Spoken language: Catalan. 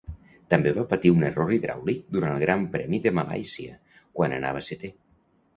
També va patir un error hidràulic durant el Gran Premi de Malàisia, quan anava setè.